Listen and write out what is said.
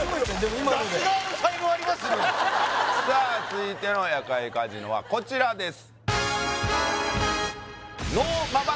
今のでさあ続いての夜会カジノはこちらです